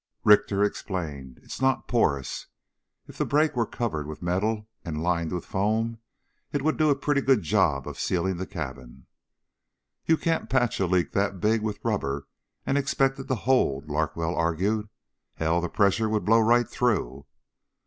Richter explained, "It's not porous. If the break were covered with metal and lined with the foam, it would do a pretty good job of sealing the cabin." "You can't patch a leak that big with rubber and expect it to hold," Larkwell argued. "Hell, the pressure would blow right through."